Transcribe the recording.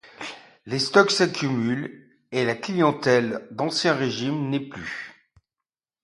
Les stocks s'accumulent, et la clientèle d'Ancien Régime n'est plus.